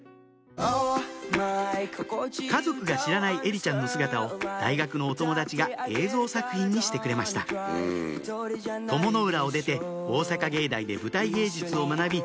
家族が知らない絵理ちゃんの姿を大学のお友達が映像作品にしてくれました鞆の浦を出て大阪芸大で舞台芸術を学び